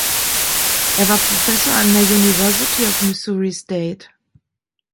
Er war Professor an der University of Missouri–St.